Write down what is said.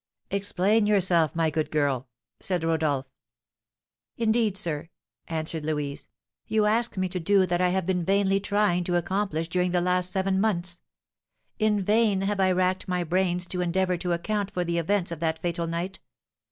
"Explain yourself, my good girl," said Rodolph. "Indeed, sir," answered Louise, "you ask me to do that I have been vainly trying to accomplish during the last seven months. In vain have I racked my brains to endeavour to account for the events of that fatal night.